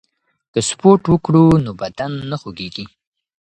که سپورت وکړو نو بدن نه خوږیږي.